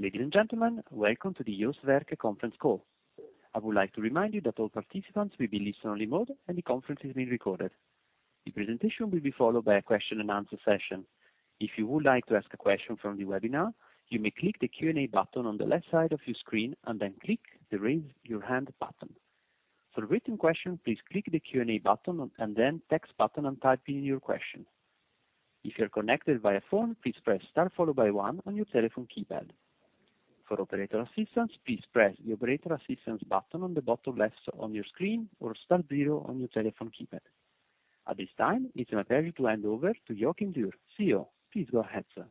Ladies and gentlemen, welcome to the JOST Werke conference call. I would like to remind you that all participants will be in listen-only mode, and the conference is being recorded. The presentation will be followed by a question-and-answer session. If you would like to ask a question from the webinar, you may click the Q&A button on the left side of your screen and then click the Raise Your Hand button. For a written question, please click the Q&A button and then Text button and type in your question. If you're connected via phone, please press Star followed by one on your telephone keypad. For operator assistance, please press the Operator Assistance button on the bottom left on your screen or Star zero on your telephone keypad. At this time, it's my pleasure to hand over to Joachim Dürr, CEO. Please go ahead, sir.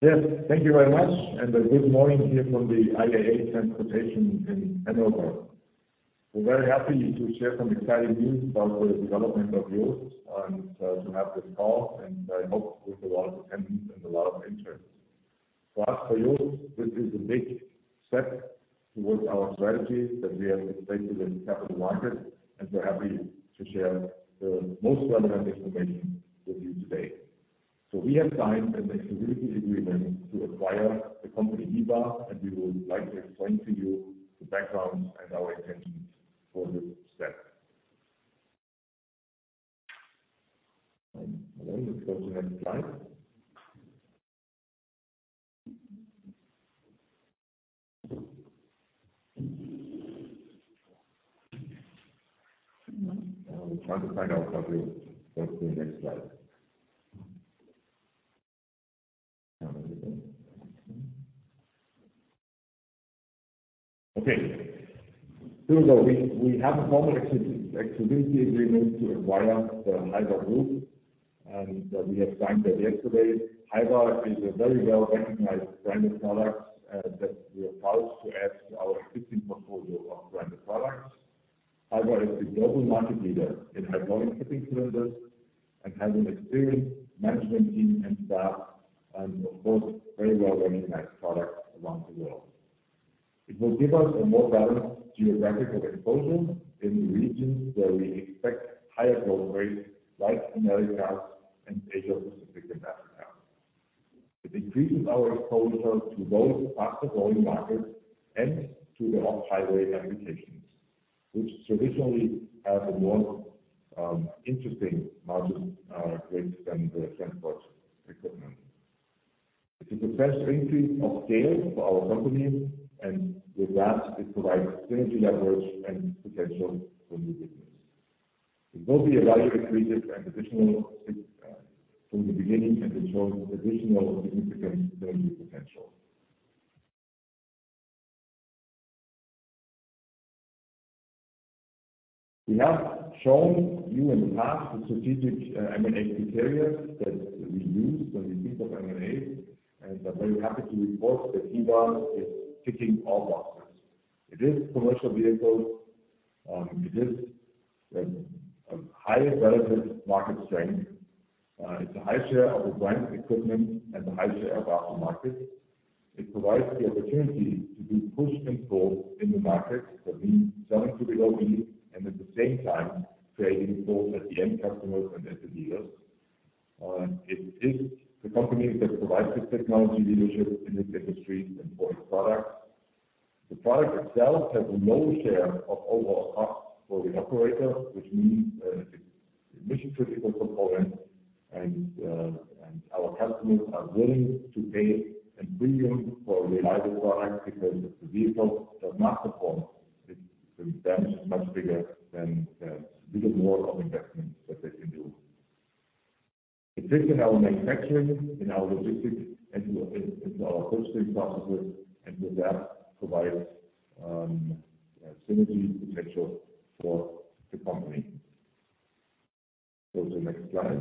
Yes, thank you very much, and good morning here from the IAA Transportation in Hanover. We're very happy to share some exciting news about the development of JOST and to have this call, and I hope with a lot of attendance and a lot of interest, but for JOST, this is a big step towards our strategy that we have presented in capital markets, and we're happy to share the most relevant information with you today, so we have signed an exclusivity agreement to acquire the company Hyva, and we would like to explain to you the background and our intentions for this step. Hello, you can go to the next slide. We're trying to find out how to go to the next slide. Okay. Here we go. We have a formal exclusivity agreement to acquire the Hyva Group, and we have signed that yesterday. Hyva is a very well-recognized branded product that we are proud to add to our existing portfolio of branded products. Hyva is the global market leader in hydraulic tipping cylinders and has an experienced management team and staff, and of course, very well-recognized products around the world. It will give us a more balanced geographical exposure in the regions where we expect higher growth rates, like Americas and Asia-Pacific and Africa. It increases our exposure to both faster-growing markets and to the off-highway applications, which traditionally have a more interesting margin rates than the transport equipment. It is the first increase of scale for our company, and with that, it provides synergy leverage and potential for new business. It will be a value accretive and additional from the beginning and shows additional significant synergy potential. We have shown you in the past the strategic, M&A criteria that we use when we think of M&A, and I'm very happy to report that Hyva is ticking all boxes. It is commercial vehicle, it is a high relevant market strength, it's a high share of the branded equipment and a high share of our market. It provides the opportunity to do push and pull in the market. That means selling to the OE, and at the same time, creating pulls at the end customers and at the dealers. It is the company that provides the technology leadership in this industry and for its products. The product itself has a low share of overall cost for the operator, which means, it's a mission-critical component, and our customers are willing to pay a premium for a reliable product because if the vehicle does not perform, the damage is much bigger than the little more of investment that they can do. It fits in our manufacturing, in our logistics, and to our service processes, and with that provides synergy potential for the company. Go to the next slide.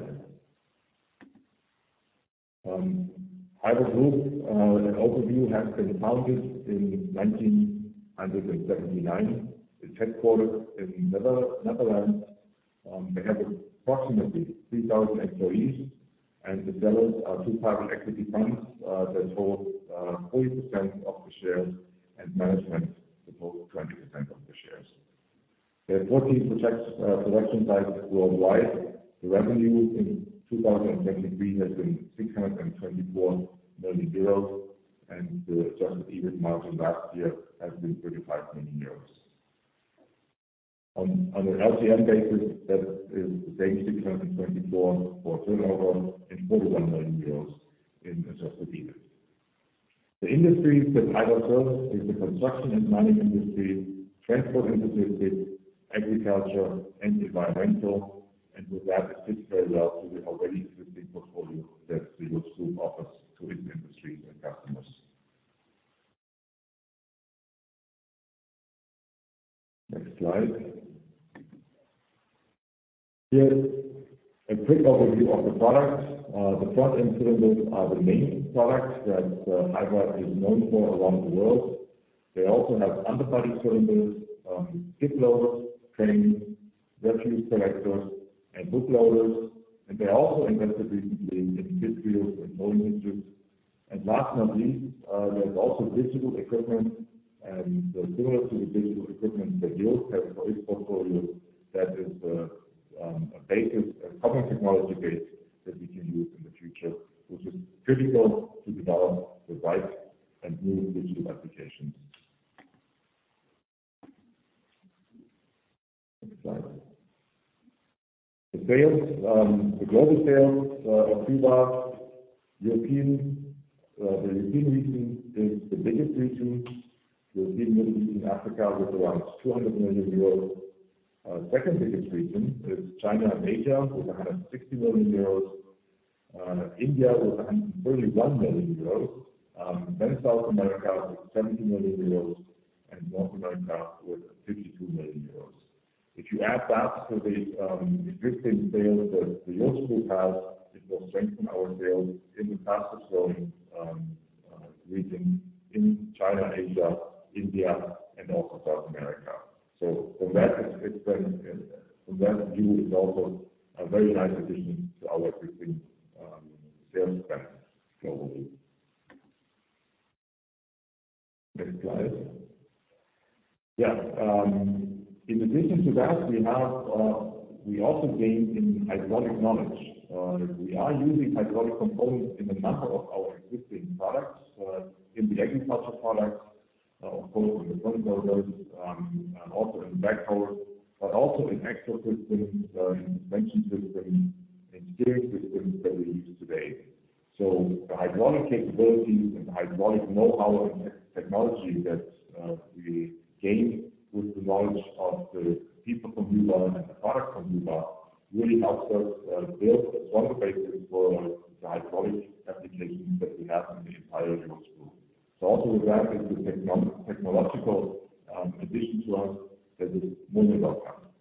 Hyva Group, an overview, has been founded in nineteen hundred and seventy-nine. It's headquartered in the Netherlands. They have approximately 3,000 employees, and the sellers are two private equity funds that hold 40% of the shares, and management holds 20% of the shares. They have 14 production sites worldwide. The revenue in 2023 has been 624 million euros, and the adjusted EBIT margin last year has been 35 million euros. On an LTM basis, that is the same, 624 for turnover and 41 million euros in adjusted EBIT. The industries that Hyva serves is the construction and mining industry, transport industry, agriculture, and environmental, and with that, it fits very well to the already existing portfolio that the JOST group offers to its industries and customers. Next slide. Here, a quick overview of the products. The front end cylinders are the main products that Hyva is known for around the world. They also have underbody cylinders, skiploaders, cranes, virtual selectors, and hookloaders. And they also invested recently in dock shelters and loading bridges. And last but not least, there's also digital equipment and similar to the digital equipment that JOST has for its portfolio. That is, a basis, a common technology base that we can use in the future, which is critical to develop the right and new digital applications. Next slide. The sales, the global sales, of Hyva, European, the European region is the biggest region with Middle East and Africa, with around 200 million euros. Second biggest region is China and Asia, with 160 million euros, India with 131 million euros, then South America with 70 million euros and North America with 52 million euros. If you add that to the existing sales that JOST has, it will strengthen our sales in the fastest growing region in China, Asia, India, and also South America. So from that perspective, from that view, is also a very nice addition to our existing sales channels globally. Next slide. Yeah. In addition to that, we also gain in hydraulic knowledge. We are using hydraulic components in a number of our existing products, in the agriculture products, of course, in the front loaders, and also in the backhoe, but also in axle systems, in suspension systems and steering systems that we use today. So the hydraulic capabilities and the hydraulic know-how and technology that we gain with the knowledge of the people from Hyva and the product from Hyva really helps us build a stronger basis for the hydraulic applications that we have in the entire JOST group. So also that is the technological addition to us that is more about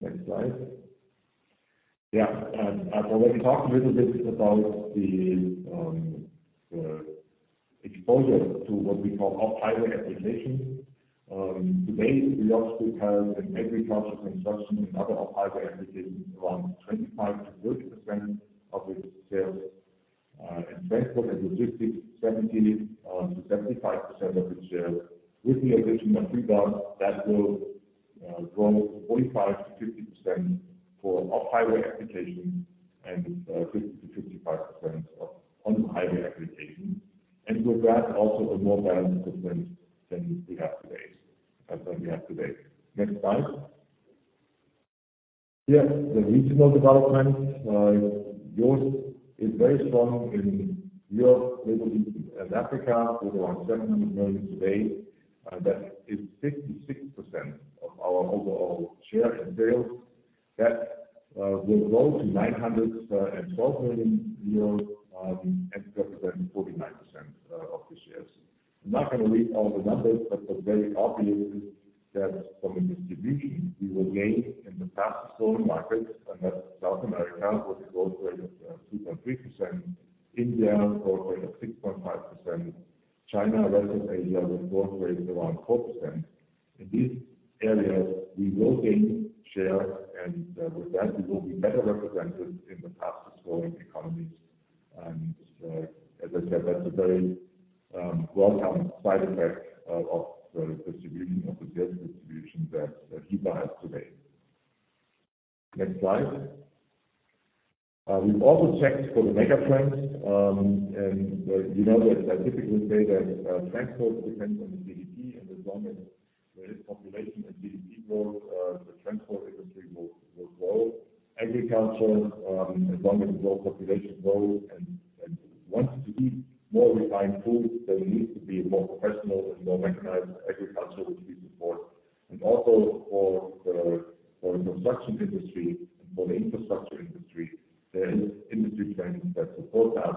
that. Next slide. Yeah, and I've already talked a little bit about the exposure to what we call off-highway applications. Today, JOST has an agriculture, construction, and other off-highway applications, around 25%-30% of its sales, and transport and logistics, 70%-75% of its sales. With the addition of Hyva, that will grow to 45%-50% for off-highway applications and 50%-55% of on-highway applications. And with that, also a more balanced footprint than we have today. Next slide. Yes, the regional development. JOST is very strong in Europe, Middle East, and Africa, with around 700 million today. That is 66% of our overall share and sales that will grow to 912 million euros and represent 49% of the shares. I'm not gonna read all the numbers, but the very obvious is that from the distribution we will gain in the fastest growing markets, and that's South America, with a growth rate of 2.3%, India, growth rate of 6.5%, China, rest of Asia, with growth rates around 4%. In these areas, we will gain share, and with that, we will be better represented in the fastest growing economies. As I said, that's a very welcome side effect of the distribution of the sales distribution that Hyva has today. Next slide. We've also checked for the mega trends. You know that I typically say that transport depends on the GDP, and as long as there is population and GDP growth, the transport industry will grow. Agriculture, as long as the world population grows and wants to eat more refined foods, there needs to be more professional and more mechanized agriculture, which we support. And also for the construction industry and for the infrastructure industry, there is industry trends that support us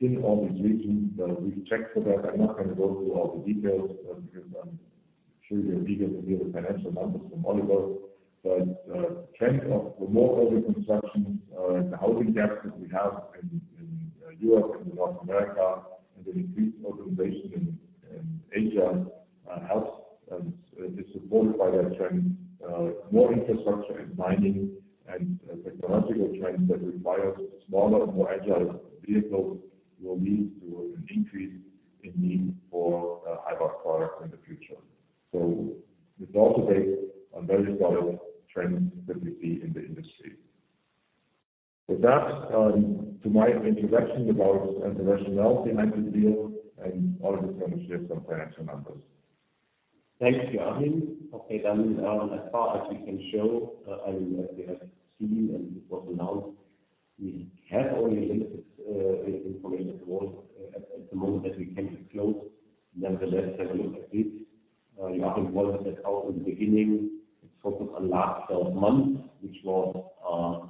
in all these regions. We've checked for that. I'm not gonna go through all the details because I'm sure you're eager to hear the financial numbers from Oliver. But the trend of the more heavy construction, the housing gaps that we have in Europe and North America, and the increased urbanization in Asia helps and is supported by that trend. More infrastructure and mining and technological trends that require smaller, more agile vehicles will lead to an increase in need for Hyva products in the future. So it's also based on very solid trends that we see in the industry. With that, to my introduction about the rationality behind this deal and all the potential shifts on financial numbers. Thanks, Joachim. Okay, then, as far as we can show, and as we have seen and it was announced, we have only limited information at all, at the moment that we came to close. Nevertheless, have a look at this. Joachim pointed that out in the beginning. It's focused on last twelve months, which was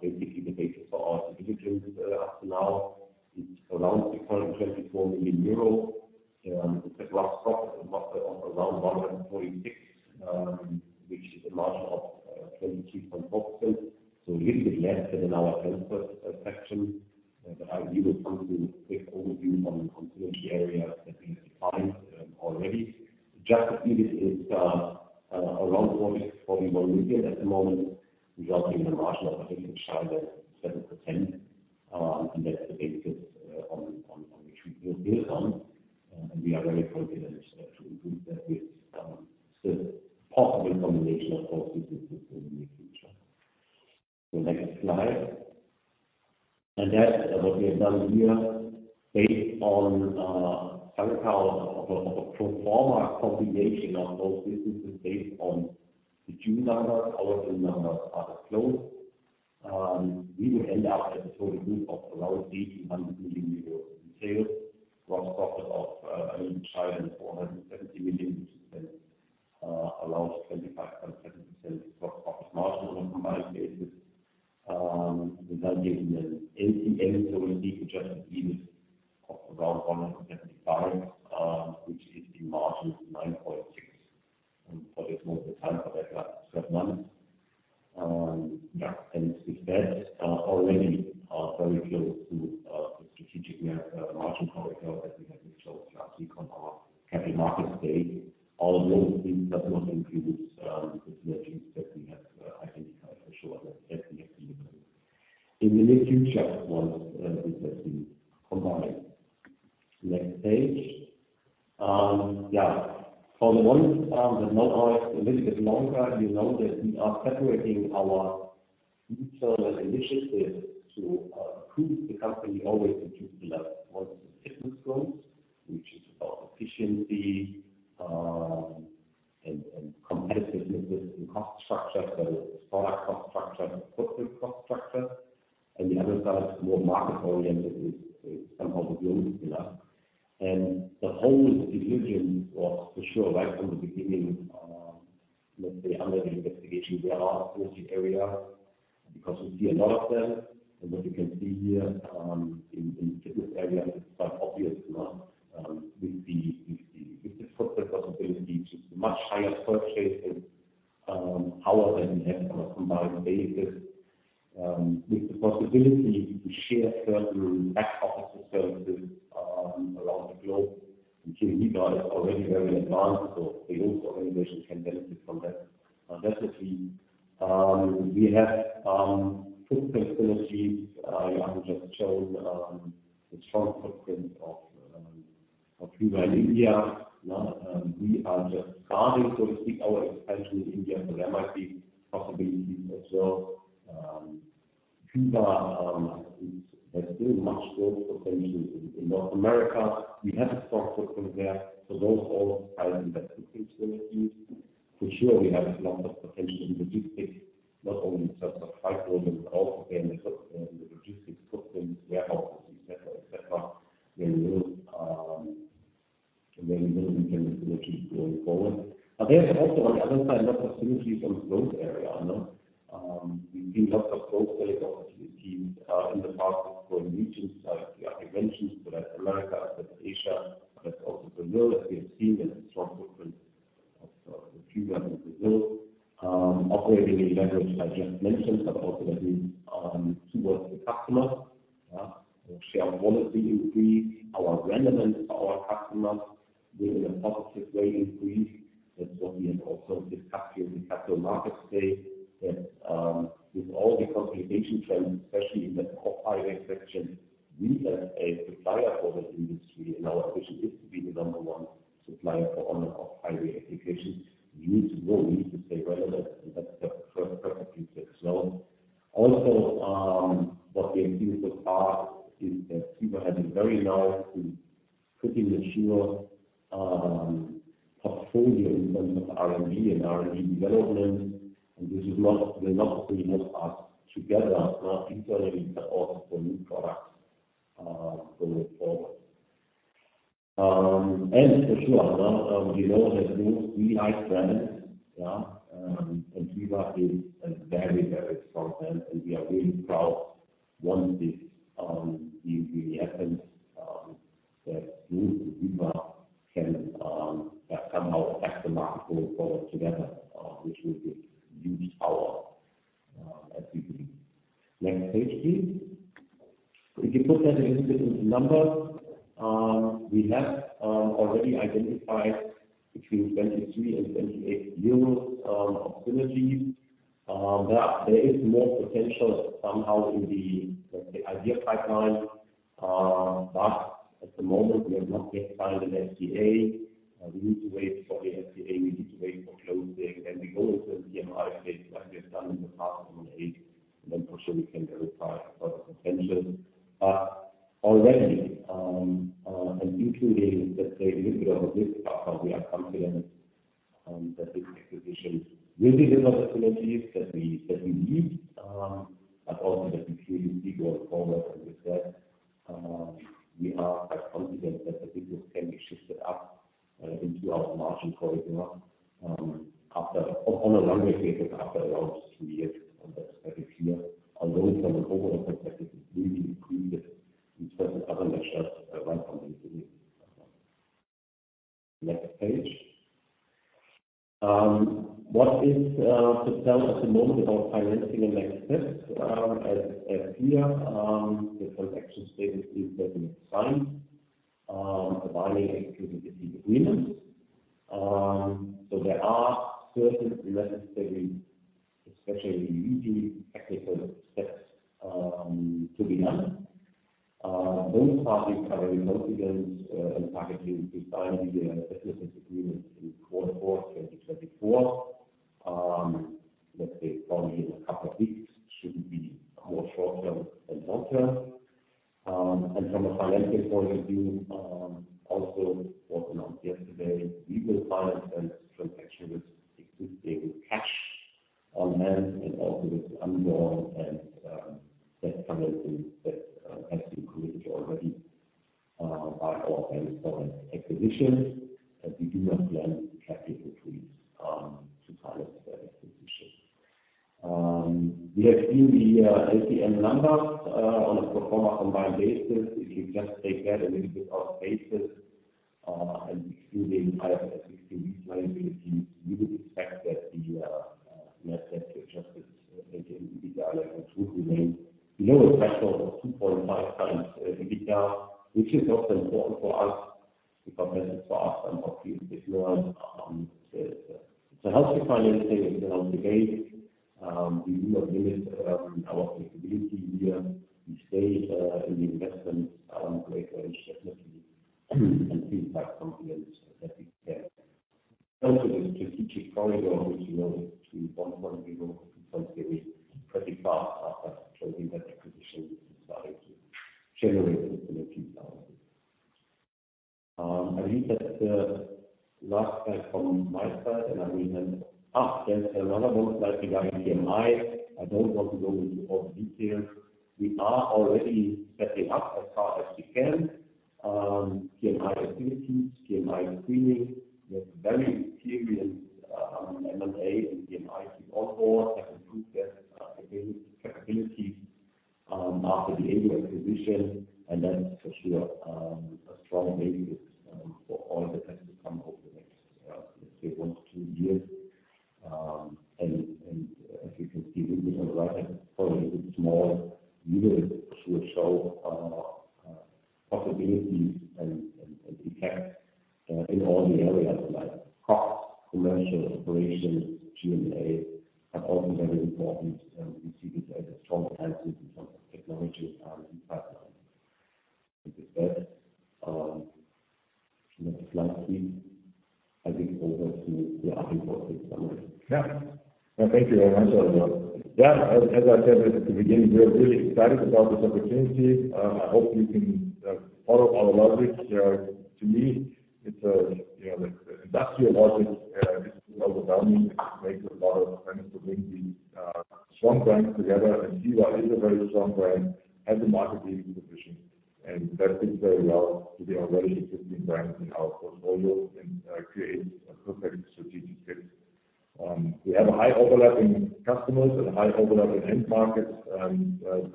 basically the basis for our due diligence up to now. It's around 624 million euros, with an EBITDA of around 146, which is a margin of 22.4%. So a little bit less than in our answer section, shown the strong footprint of Hyva in India. Now, we are just starting, so to speak, our expansion in India, so there might be possibilities as well. Hyva has still much growth potential in North America. We have a strong footprint there, so those all are investment synergies. For sure, we have a lot of potential in logistics, not only in terms of high volume, but also in the logistics footprint, warehouses, et cetera. There will be synergies going forward. There's also, on the other side, a lot of synergies on growth area, you know. We've seen lots of growth rate opportunities in the past, growing regions, like I mentioned, Latin America, but Asia, but also Brazil, as we have seen a strong footprint of Hyva in Brazil. Operating a leverage, I just mentioned, but also that is towards the customer. Share quality increase, our relevance to our customers in a positive way increase. That's what we have also discussed in the capital market space, that with all the consolidation trends, especially in the high section, we as a supplier for the industry and our position is to be the number one supplier for all high applications. We need to grow, we need to stay relevant, and that's the first perfectly said so. Also, what we have seen so far is that Hyva has a very large and pretty mature, portfolio in terms of R&D and R&D development. And this is not, will not bring us together, not internally, but also for new products, going forward. And for sure, you know that those we like brands, and Hyva is a very, very strong brand, and we are really proud. One, this, if Let's say probably in a couple of weeks, shouldn't be more short term and long term. And from a financial point of view, also as announced yesterday, we will finance the transaction with existing cash on hand and also with undrawn debt financing that has increased already by our current acquisitions, but we do not plan capital raises to finance the acquisition. We have seen the LTM numbers on a pro forma combined basis. If you just take that a little bit out of basis, and excluding higher sixty profitability, we would expect that the net debt to adjusted EBITDA levels would remain below a factor of two point five times EBITDA, which is also important for us, because that is for us and obviously if you want to help the financing down the line, we do not limit our capability here. We stay in the investment grade, which definitely and impact something specific there. Also, the strategic corridor, which we grow to .10 in 2020 pretty fast after closing that acquisition, we started to generate a few thousand. I think that's the last slide from my side, and I mean, there's another one slide regarding PMI. I don't want to go into all the details. We are already setting up as far as we can,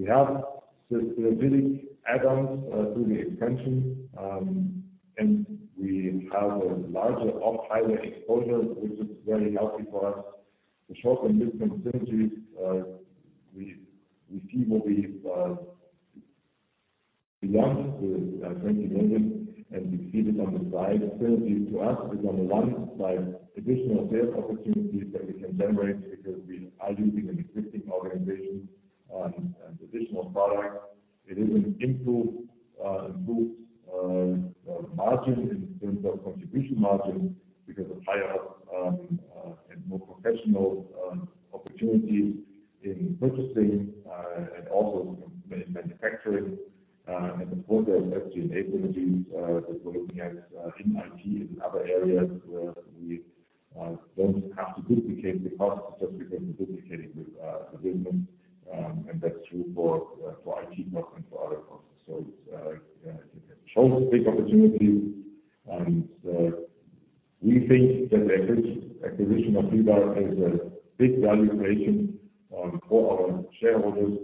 We have synergy add-ons through the expansion, and we have a larger off-highway exposure, which is very healthy for us. The short and medium synergies, we see what we want to 20 million, and we see this on the slide. Synergies to us is on the one side, additional sales opportunities that we can generate because we are using an existing organization and additional products. It is an improved margin in terms of contribution margin, because of higher and more professional opportunities in purchasing and also in manufacturing. And of course, there is SG&A synergies that we're looking at in IT and other areas where we don't have to duplicate the costs just because we're duplicating with the business. And that's true for IT costs and for other costs. So it's a huge, big opportunity, and we think that the acquisition of Hyva has a big value creation for our shareholders,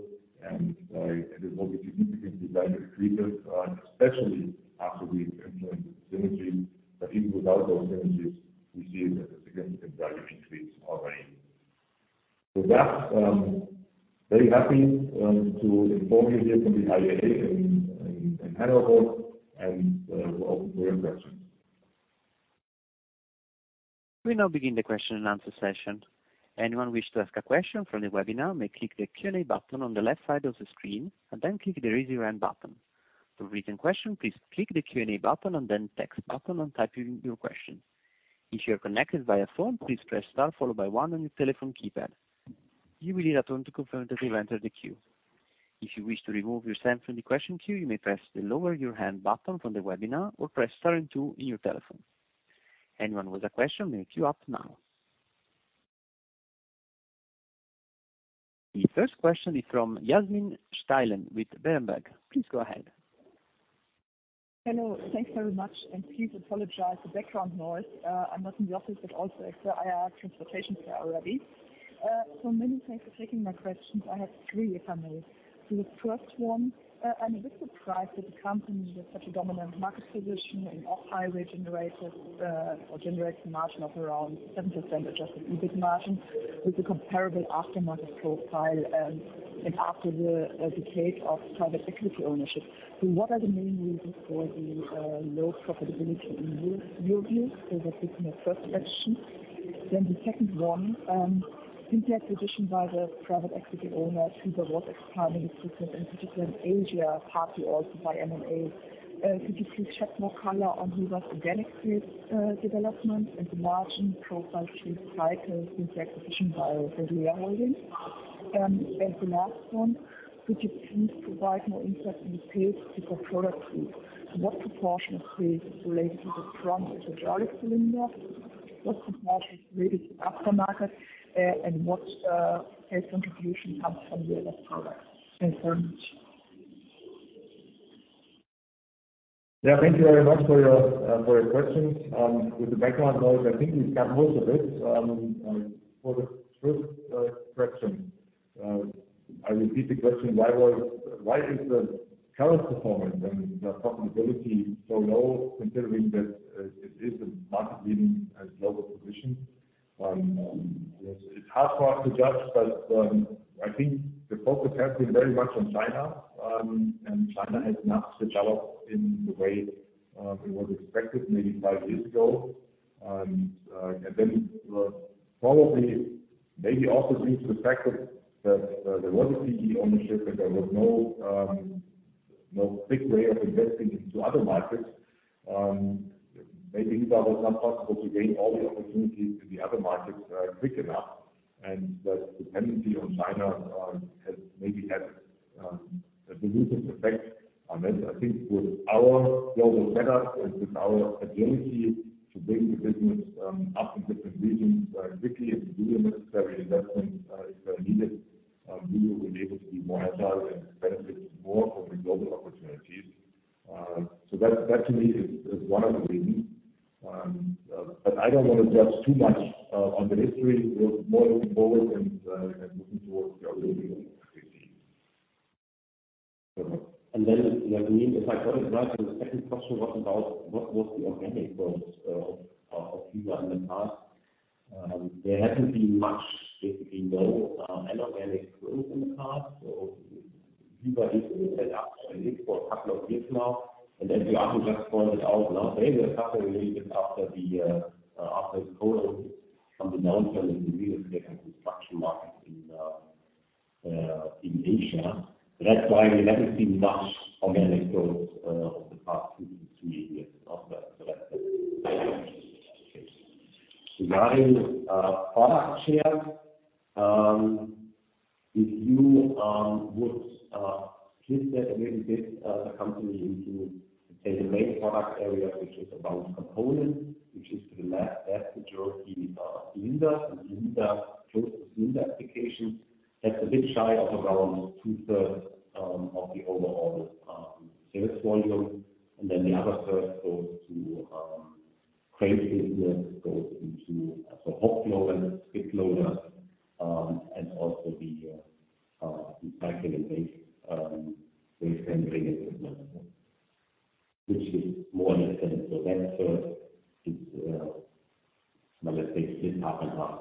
and it will be significantly value accretive, especially after we implement the synergies. But even without those synergies, we see it as a significant value increase already. With that, very happy to inform you here from the Hyva booth in Hanover, and we're open to your questions. We now begin the question and answer session. Anyone wish to ask a question from the webinar may click the Q&A button on the left side of the screen, and then click the Raise Your Hand button. For written question, please click the Q&A button and then Text button and type in your question. If you are connected via phone, please press star followed by one on your telephone keypad. You will need a tone to confirm that you've entered the queue. If you wish to remove yourself from the question queue, you may press the Lower Your Hand button from the webinar or press star and two in your telephone. Anyone with a question, may queue up now. The first question is from Yasmin Steilen with Berenberg. Please go ahead.... Hello. Thanks very much, and please apologize for the background noise. I'm not in the office, but also at the IAA Transportation fair already. So many thanks for taking my questions. I have three, if I may. So the first one, I'm a bit surprised that the company with such a dominant market position and off-highway generated, or generates a margin of around 7% adjusted EBIT margin, with a comparable aftermarket profile, and after the, decade of private equity ownership. So what are the main reasons for the, low profitability in your view? So that is my first question. Then the second one, since the acquisition by the private equity owner, Hyva was expanding its business, in particular in Asia, partly also by M&A. Could you please shed more color on Hyva's organic growth, development and the margin profile through the cycle since the acquisition by the Leonardo? And the last one, could you please provide more insight into the sales by different product groups? So what proportion of sales relates to the cranes and the hydraulic cylinders? What proportion relates to aftermarket, and what sales contribution comes from the other products? Thank you very much. Yeah, thank you very much for your, for your questions. With the background noise, I think we've got most of it. For the first question, I repeat the question: why was-- why is the current performance and the profitability so low, considering that, it is a market leading as global position? It's hard for us to judge, but, I think the focus has been very much on China, and China has not developed in the way, it was expected maybe five years ago. And then, probably maybe also due to the fact that there was a PE ownership, that there was no, no quick way of investing into other markets. Maybe it was not possible to gain all the opportunities in the other markets quick enough, and that the dependency on China has maybe had a dilutive effect on that. I think with our global set up and with our agility to build the business up in different regions quickly and do the necessary investment if needed, we will be able to be more agile and benefit more from the global opportunities. So that to me is one of the reasons. But I don't want to judge too much on the history; we're more looking forward and looking towards the future. And then, Yasmin, if I got it right, so the second question was about what was the organic growth of Hyva in the past. There hasn't been much, basically no, inorganic growth in the past. So Hyva is set up for a couple of years now, and as you also just pointed out, now, there is a couple of years after the after COVID from the downturn in the real estate and construction market in in Asia. That's why we haven't seen much organic growth over the past two to three years of that. Regarding product share, if you would split that a little bit, the company into, say, the main product area, which is about component, which is to the left, that's the majority, cylinder, and cylinder, close to cylinder application. That's a bit shy of around two thirds of the overall sales volume, and then the other third goes to crane business, goes into the hookloader, skiploader, and also the docking and bridges, which is more or less than so that's, let's say it's half and half.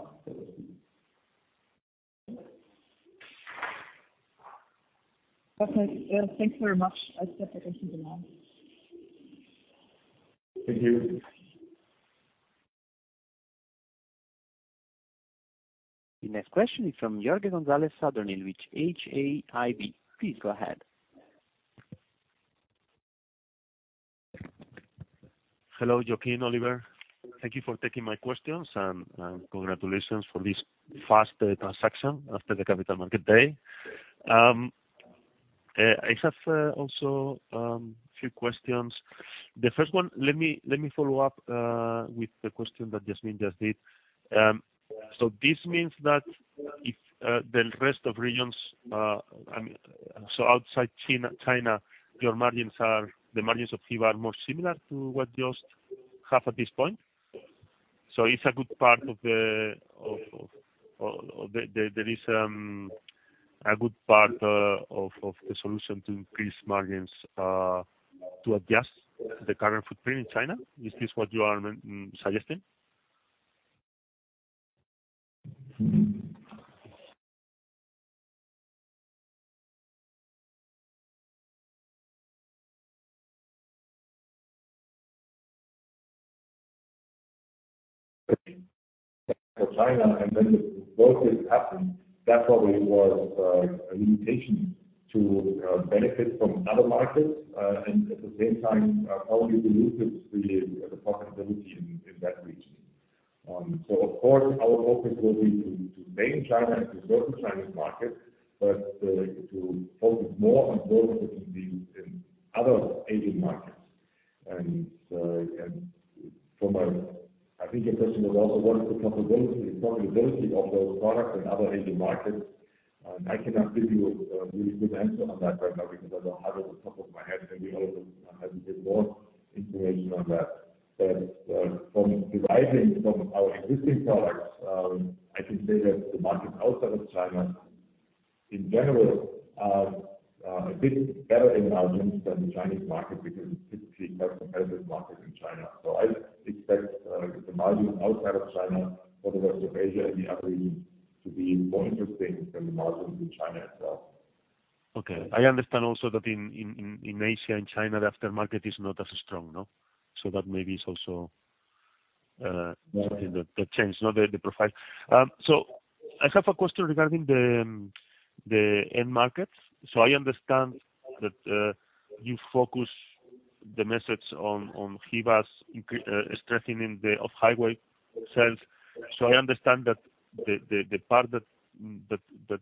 Okay. Thanks very much. I step back into line. Thank you. The next question is from Jorge González Sadornil, with HAIB. Please go ahead. Hello, Joachim, Oliver. Thank you for taking my questions, and congratulations for this fast transaction after the Capital Market Day. I have also a few questions. The first one, let me follow up with the question that Yasmin just did. So this means that if the rest of regions so outside China, your margins are the margins of Hyva are more similar to what JOST has at this point? So it's a good part of the, there is a good part of the solution to increase margins to adjust the current footprint in China. Is this what you are suggesting? China, and then what has happened, that probably was a limitation to benefit from other markets, and at the same time, probably diluted the profitability in that region. So of course, our focus will be to maintain China and to certain Chinese markets, but to focus more on growth, which will be in other Asian markets, and from my... I think your question was also what is the profitability of those products in other Asian markets?... I cannot give you a really good answer on that right now, because I don't have it off the top of my head. Maybe Oliver has a bit more information on that. But from deriving from our existing products, I can say that the market outside of China, in general, are a bit better in margins than the Chinese market, because we typically have competitive market in China. So I expect the margin outside of China, for the rest of Asia and the other regions, to be more interesting than the margins in China itself. Okay. I understand also that in Asia, in China, the aftermarket is not as strong, no? So that maybe is also, Yeah Something that changed, not the profile. So I have a question regarding the end markets. So I understand that you focus the message on Hyva's strengthening the off-highway sales. So I understand that the part that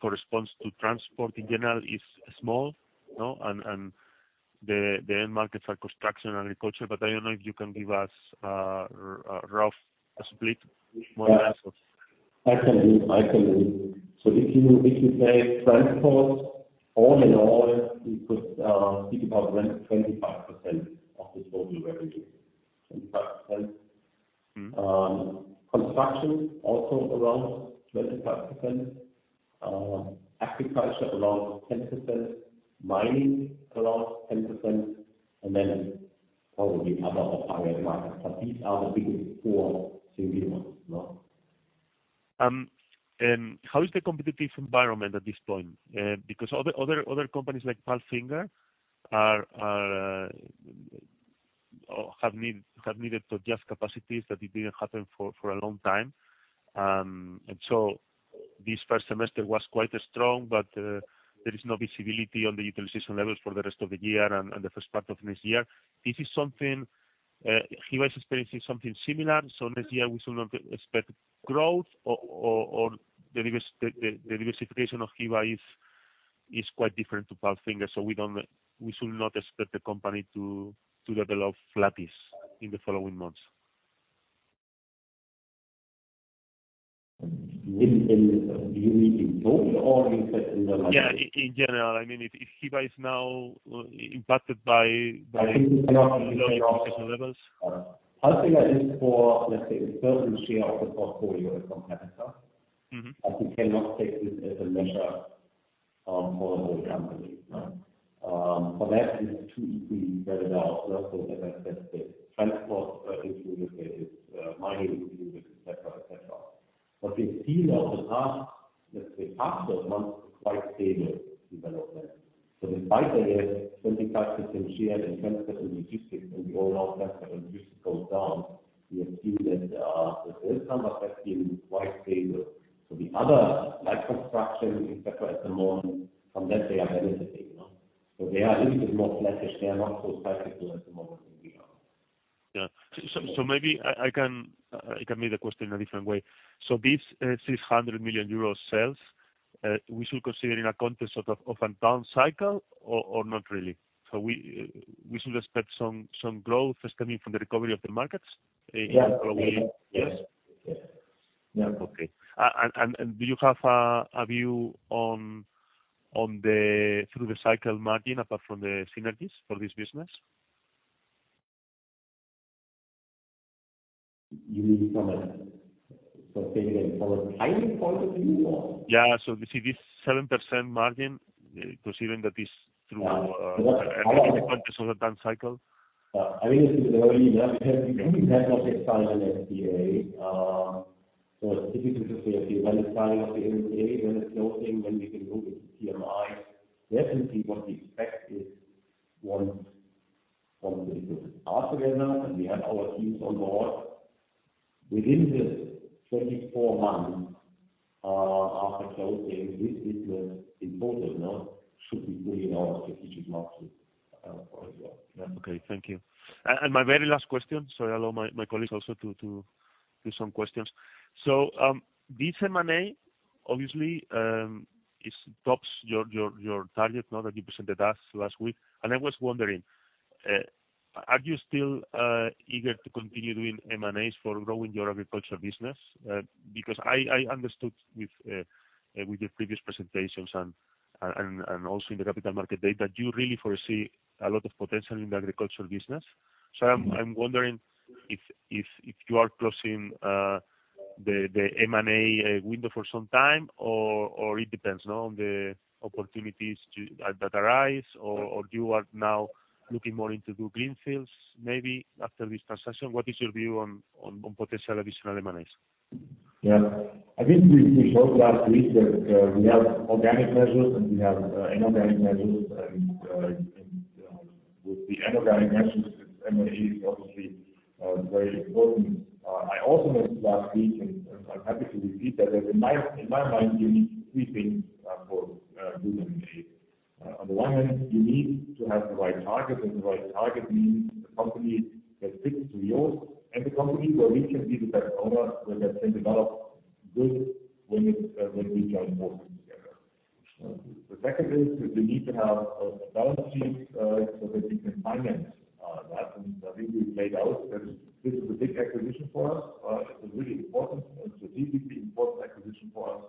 corresponds to transport in general is small, no? And the end markets are construction and agriculture, but I don't know if you can give us a rough split, more or less of- I can do, I can do. So if you, if you say transport, all in all, you could think about 25% of the total revenue. 25%. Mm-hmm. Construction, also around 25%. Agriculture, around 10%. Mining, around 10%, and then probably other off-highway markets, but these are the big four to know, no. And how is the competitive environment at this point? Because other companies like PALFINGER have needed to adjust capacities that it didn't happen for a long time. And so this first semester was quite strong, but there is no visibility on the utilization levels for the rest of the year and the first part of next year. This is something Hyva is experiencing, something similar, so next year we should not expect growth or the diversification of Hyva is quite different to PALFINGER. So we should not expect the company to develop flattish in the following months. In, do you mean in total or you said in the market? Yeah, in general, I mean, if Hyva is now impacted by- I think it cannot be- -levels. PALFINGER is for, let's say, a certain share of the portfolio of competitor. Mm-hmm. We cannot take this as a measure for the whole company for that is too equally developed. So as I said, the transport included, there is mining included, et cetera, et cetera. But we see now the past, let's say after months, quite stable development. Despite, again, 25% share in transport and logistics, and we all know transport and logistics goes down, we assume that there is some effect in quite stable. The other, like construction, et cetera, at the moment, from that they are benefiting, you know. They are a little bit more flattish. They are not so cyclical at the moment than we are. Yeah. Maybe I can make the question in a different way. So this 600 million euros sales, we should consider in a context of a down cycle or not really? So we should expect some growth stemming from the recovery of the markets in the following- Yeah. Yes? Yes. Yeah. Okay. Do you have a view on the through the cycle margin, apart from the synergies for this business? You mean from a... So say again, from a timing point of view or? Yeah. So this is 7% margin, considering that is through. Yeah. -the down cycle? I think it's already there. We have not signed an MTA. So it is just a matter of signing of the MTA, when it's closing, when we can go with the PMI. Definitely, what we expect is once we are together and we have our teams on board, within the 24 months, after closing, this is important, no? Should be doing our strategic margin, as well. Okay, thank you. And my very last question, so I allow my colleagues also to some questions. So, this M&A obviously is tops your target, now that you presented us last week, and I was wondering, are you still eager to continue doing M&As for growing your agriculture business? Because I understood with the previous presentations and also in the capital markets day, that you really foresee a lot of potential in the agricultural business. Mm-hmm. So I'm wondering if you are closing the M&A window for some time, or it depends on the opportunities that arise, or you are now looking more into do greenfields maybe after this transaction? What is your view on potential additional M&As? Yeah. I think we showed last week that we have organic measures, and we have inorganic measures, and with the inorganic measures, M&A is obviously very important. I also mentioned last week, and I'm happy to repeat that in my mind, you need three things for good M&A. On the one hand, you need to have the right target, and the right target means a company that fits to yours, and a company where we can be the best owner, where that can develop good when it, when we join forces.… The second is we need to have a balance sheet so that we can finance that, and I think we laid out that this is a big acquisition for us. It's a really important, it's a deeply important acquisition for us,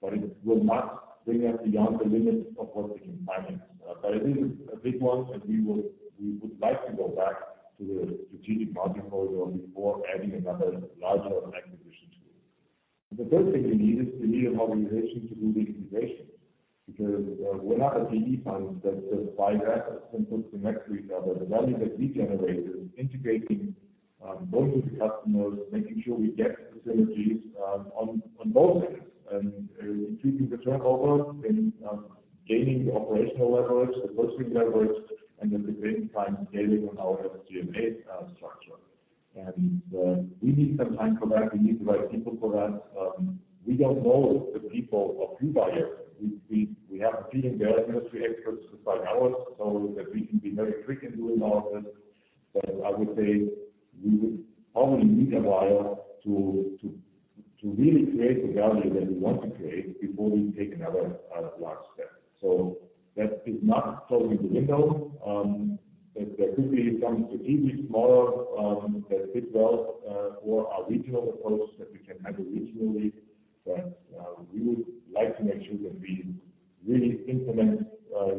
but it will not bring us beyond the limit of what we can finance, but I think it's a big one, and we would like to go back to the strategic portfolio before adding another larger acquisition to it. The third thing we need is, we need an organization to do the integration. Because we're not a PE fund that buys assets and puts them next to each other. The value that we generate is integrating, going to the customers, making sure we get the synergies on both sides. Increasing the turnover and gaining the operational leverage, the purchasing leverage, and then spending time scaling on our GMA structure. We need some time for that. We need the right people for that. We don't know the people of Hyva. We have feeling they are industry experts like ours, so that we can be very quick in doing all of this. I would say we would probably need a while to really create the value that we want to create before we take another large step. That is not closing the window. There could be some strategic, smaller, that fit well, or a regional approach that we can have regionally. But, we would like to make sure that we really implement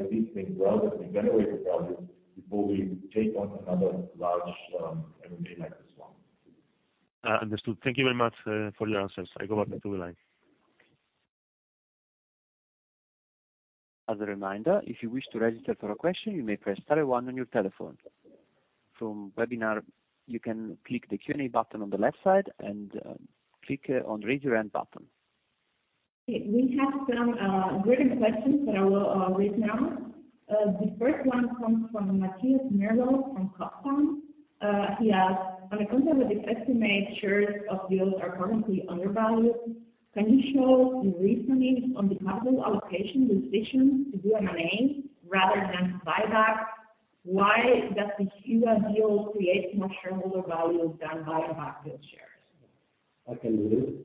these things well, that we generate the value before we take on another large M&A like this one. Understood. Thank you very much, for your answers. I go back to the line. As a reminder, if you wish to register for a question, you may press star one on your telephone. From webinar, you can click the Q&A button on the left side and on Raise Your Hand button. We have some written questions that I will read now. The first one comes from Matthias Maerkl from Kepler Cheuvreux. He asks, "On the concept with the estimated shares of deals are currently undervalued, can you show the reasoning on the capital allocation decision to do M&A rather than buyback? Why does the Q&A deal create more shareholder value than buyback shares? I can do this.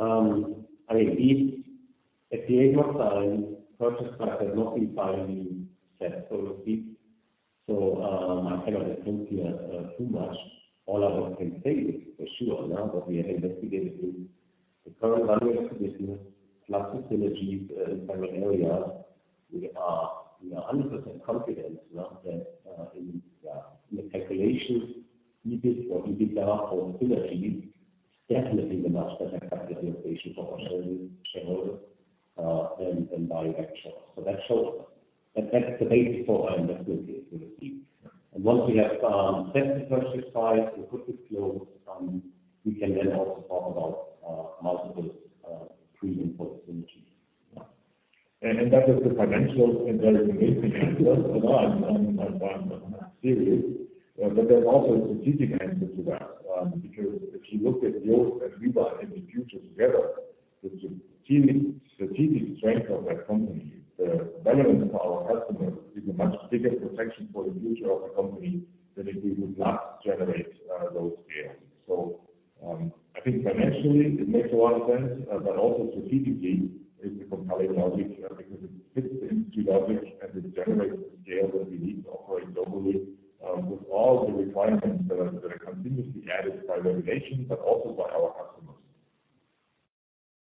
I mean, this at this stage in time, purchase price has not been finally set for this. So, I cannot answer here too much. All I can say is for sure now, but we have investigated the current value of the business, plus the synergies in certain areas. We are, you know, 100% confident now that in the calculations, EBIT or EBITDA for synergies, definitely the much better capital allocation for our shareholders than buyback shares. So that's all. And that's the basis for our investigation, you will see. And once we have set the purchase price and close it, we can then also talk about multiple, pre and post synergies. That is the financial and very amazing answer. No, I'm serious. But there's also a strategic answer to that. Because if you look at yours and we are in the future together, the strategic strength of that company, the value for our customers, is a much bigger protection for the future of the company than if we would not generate those scales. So, I think financially it makes a lot of sense, but also strategically it's a compelling logic, because it fits into logic and it generates the scale that we need to operate globally, with all the requirements that are continuously added by regulation, but also by our customers.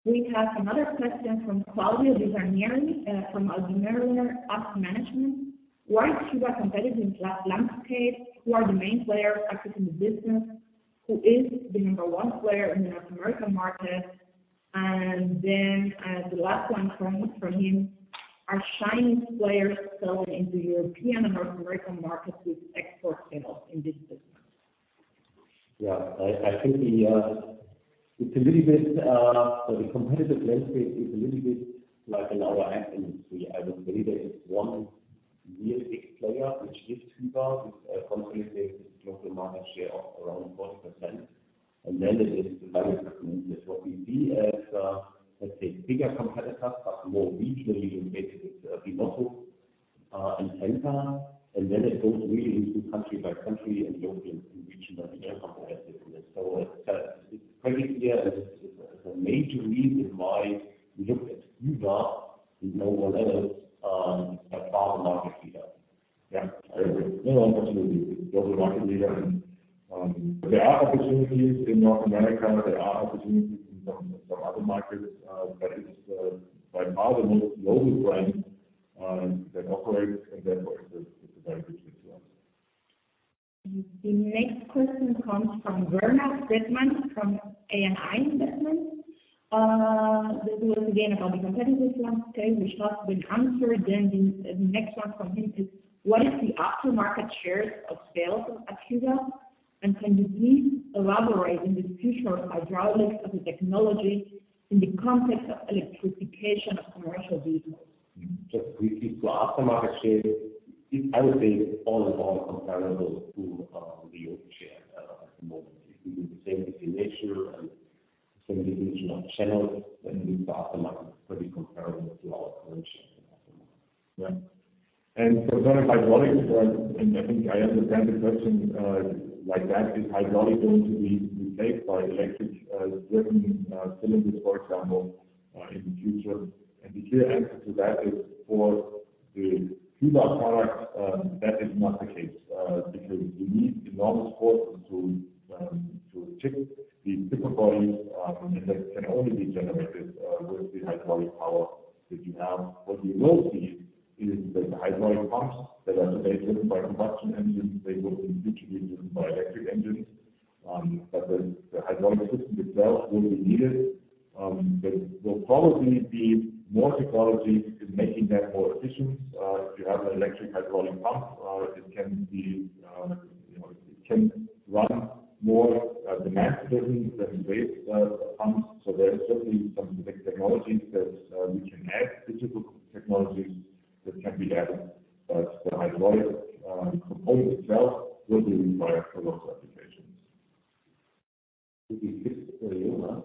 We have another question from Claudio De Ranieri, from Albemarle Asset Management. "Why is the competitive landscape? Who are the main players active in the business? Who is the number one player in the North American market?" And then, the last one from him: "Are Chinese players selling into European and North American markets with export sales in this business? Yeah, I think it's a little bit, so the competitive landscape is a little bit like in our industry. I would say there is one real big player, which is Hyva, with a constantly global market share of around 40%. And then it is what we see as, let's say bigger competitors, but more regionally innovative. And then it goes really into country by country and European regional competitors. So it's crazy. Yeah, the major reason why we looked at Hyva in normal levels as far as the market leader. Yeah. No, unfortunately, global market leader and, there are opportunities in North America. There are opportunities in some other markets, but it's by far the most global brand that operates, and therefore it's a very good fit to us. The next question comes from Bernard Steadman, from ANI Investment. This was again about the competitive landscape, which has been answered. Then the next one from him is: "What is the aftermarket shares of sales of Hyva? And can you please elaborate in the future hydraulics of the technology in the context of electrification of commercial vehicles? Just briefly to aftermarket share, it, I would say all is comparable to the old share at the moment. It will be the same in nature and same regional channels, and the aftermarket pretty comparable to our current share.... Yeah. And so then hydraulics, and I think I understand the question, like that, is hydraulic going to be replaced by electric driven cylinders, for example, in the future? And the clear answer to that is for the Hyva products, that is not the case, because you need enormous force to check the different bodies, and that can only be generated with the hydraulic power that you have. What you will see is that the hydraulic pumps that are driven by combustion engines, they will be literally driven by electric engines. But the hydraulic system itself will be needed. There will probably be more technologies in making that more efficient. If you have an electric hydraulic pump, you know, it can run more demand driven than waste pumps. So there is certainly some big technologies that we can add, digital technologies that can be added, but the hydraulic component itself will be required for those applications. Did we skip a yoga?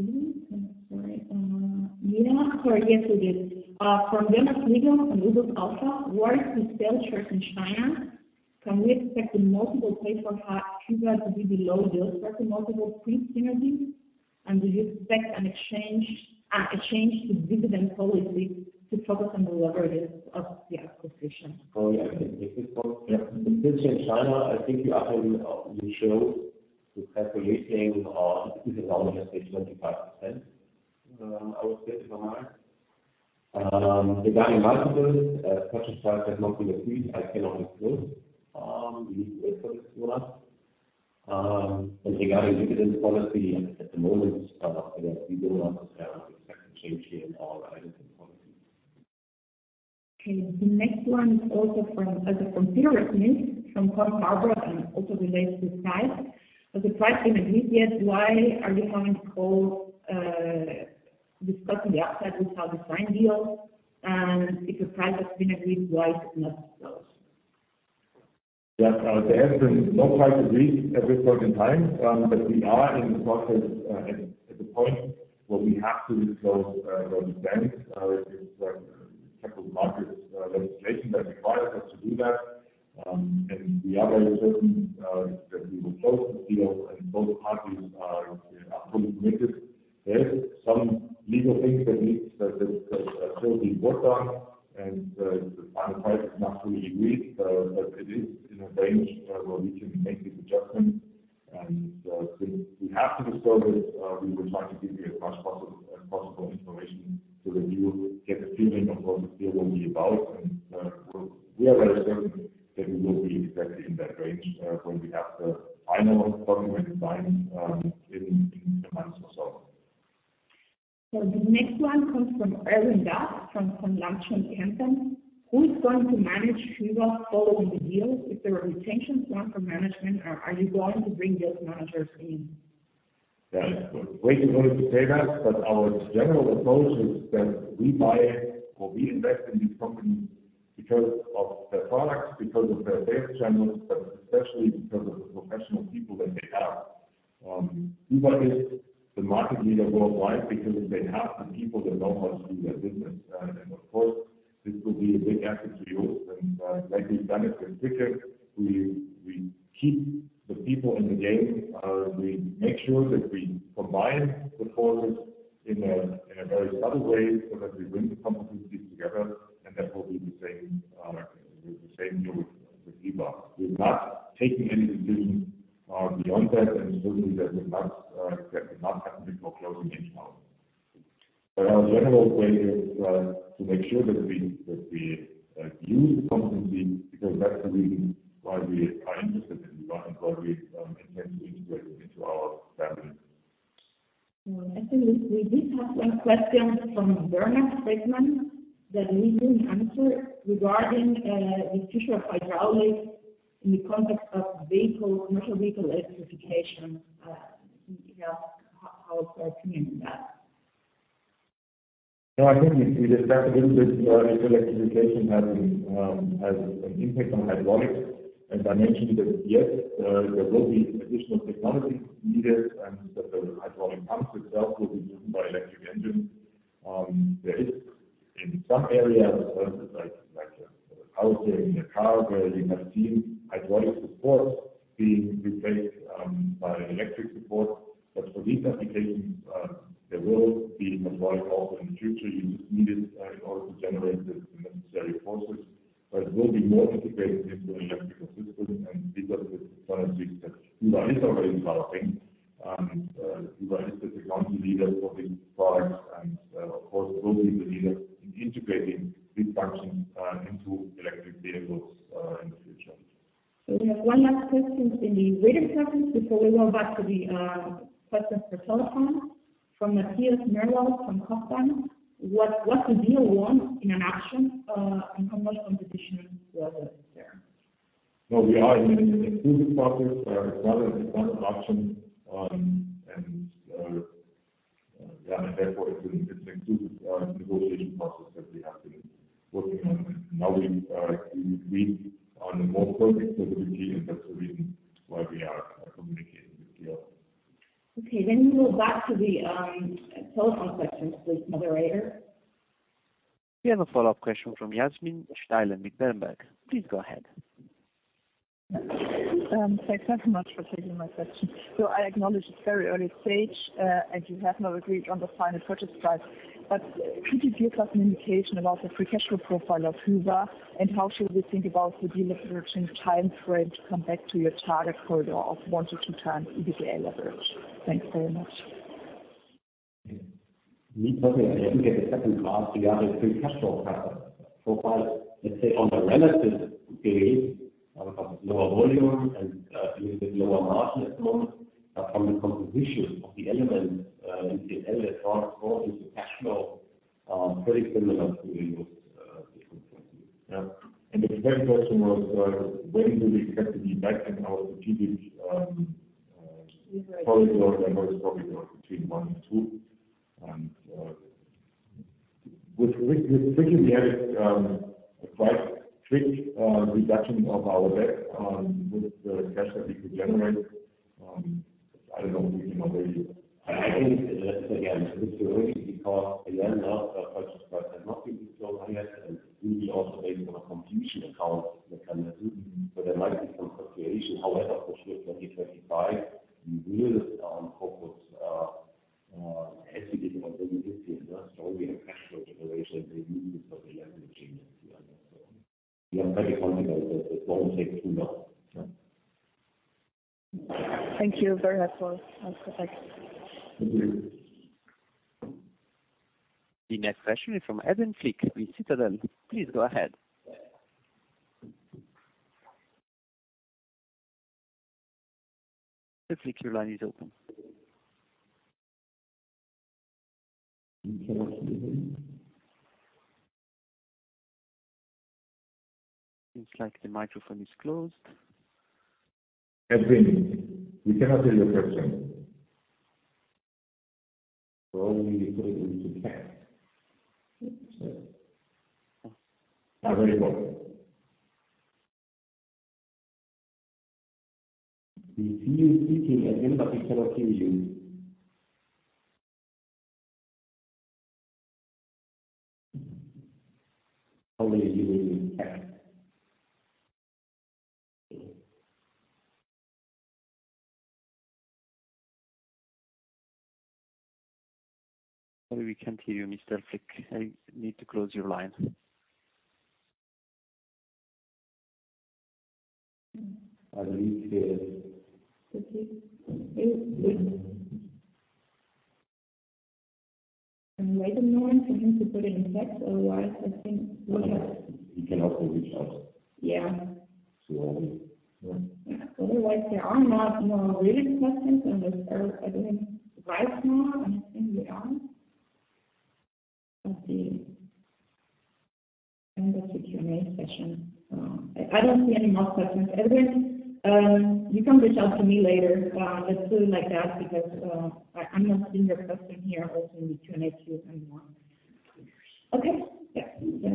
I'm sorry. Yes, we did. From Dennis Mulz of Metzler Capital Markets, what is the sales growth in China? Can we expect the multiples paid for Hyva to be below those for the multiples pre-synergy? And do you expect any change to dividend policy to focus on the leverage of the acquisition? Oh, yeah. I think this one. Yeah. In China, I think you are in the show to have a listing on, let's say, 25%. I would say so far. Regarding multiples, purchase price has not been agreed. I cannot exclude these efforts from us. And regarding dividend policy at the moment, but we do not expect a change in our dividend policy. Okay. The next one is also from, as a considerate mix from Paul Barber and also relates to size. Has the price been agreed yet, why are you having to call, discussing the upside without the signed deal? And if the price has been agreed, why it's not closed? Yeah. The answer is no price agreed at this point in time. But we are in the process at the point where we have to disclose those banks. It's capital markets legislation that requires us to do that. And we are very certain that we will close the deal and both parties are fully committed. There is some legal things that need that still being worked on. And the final price is not fully agreed, but it is in a range where we can make this adjustment. And since we have to disclose it, we will try to give you as much possible information so that you will get a feeling of what the deal will be about. We are very certain that we will be exactly in that range, when we have the final document signed, in the months or so. The next one comes from Erin Duff, from Lunch and Hanson. Who is going to manage Hyva following the deal? Is there a retention plan for management, or are you going to bring those managers in? Yeah, it's a great way to say that, but our general approach is that we buy it or we invest in these companies because of their products, because of their sales channels, but especially because of the professional people that they have. Hyva is the market leader worldwide because they have the people that know how to do their business and, of course, this will be a big asset to us and, like we've done it in the AV, we keep the people in the game. We make sure that we combine the forces in a very subtle way so that we win the competition together, and that will be the same, the same here with Hyva. We're not taking any decision beyond that, and certainly that will not happen before closing any time. But our general way is to make sure that we use the competency, because that's the reason why we are interested in Hyva and why we intend to integrate into our family. I think we did have one question from Bernard Stickman that we didn't answer regarding the future of hydraulics in the context of vehicle, commercial vehicle electrification. How are opinions on that? No, I think we discussed a little bit where electrification has an impact on hydraulics. I mentioned that, yes, there will be additional technologies needed, and that the hydraulic pumps itself will be driven by electric engines. There is in some areas, like power in a car, where you have seen hydraulic supports being replaced by electric support. But for these applications, there will be hydraulic also in the future, you need it in order to generate the necessary forces. But it will be more integrated into an electric system, and these are the technologies that Hyva is already developing. Hyva is the technology leader for these products, and, of course, will be the leader in integrating these functions into electric vehicles in the future. So we have one last question in the web conference before we go back to the questions from telephone. From Matthias Maerkl from Kepler Cheuvreux: What's the deal with the auction, and how much competition was there? We are in an exclusive process. It's not an option. And therefore, it's an exclusive negotiation process that we have been working on, and now we are on the more public, and that's the reason why we are communicating with you.... Okay, then we go back to the telephone questions, please, moderator. We have a follow-up question from Yasmin Steilen with Bloomberg. Please go ahead. Thanks very much for taking my question. So I acknowledge it's very early stage, and you have not agreed on the final purchase price. But could you give us an indication about the free cash flow profile of Hyva, and how should we think about the deal approaching timeframe to come back to your target corridor of one to two times EBITDA leverage? Thanks very much. Me, personally, I look at the second part. We have a free cash flow profile, let's say, on the relative base, lower volume and a little bit lower margin as well. But from the composition of the elements, in CL as far as flow is the cash flow, very similar to the different points. Yeah, and the second question was, when do we expect to be back in our strategic corridor? I know it's probably between one and two. And with we had a quite strict reduction of our debt with the cash that we could generate. I don't know, you know, where you- I think again, it's early because again, the purchase price has not been closed yet, and will be also based on a completion accounts mechanism. So there might be some fluctuation. However, for sure, 2025, we will focus heavily on the business team, strongly on cash flow generation, because we have the changes. We are very confident that it won't take too long. Yeah. Thank you very much for that. Thank you. The next question is from Evan Kleinman with Citadel. Please go ahead. Mr. Kleinman, your line is open. We cannot hear you. Seems like the microphone is closed. Evan, we cannot hear your question. We're only able to chat. I'm very sorry. We see you speaking, but we cannot hear you. How are you doing in tech? We can't hear you, Mr. Kleinman. I need to close your line. I believe he is- Wait a moment for him to put it in text, otherwise, I think. He can also reach out. Yeah. So yeah. Otherwise, there are not more waiting questions on this. I think right now, I think we are. Let's see. End of the Q&A session. I don't see any more questions. Evan, you can reach out to me later. Let's do it like that, because I'm not seeing your question here or in the Q&A queue anymore. Okay? Yeah.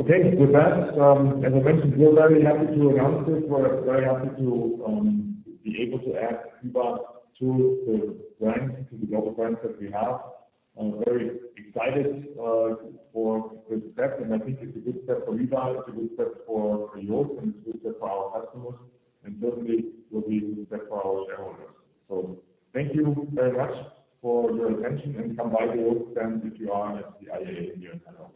Okay. With that, as I mentioned, we're very happy to announce this. We're very happy to be able to add Hyva to the brands, to the global brands that we have. I'm very excited for this step, and I think it's a good step for you guys, a good step for JOST, and it's a good step for our customers, and certainly will be a good step for our shareholders. So thank you very much for your attention and come by the JOST stand if you are at the IAA in Hanover.